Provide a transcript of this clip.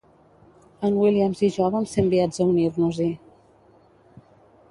En Williams i jo vam ser enviats a unir-nos-hi.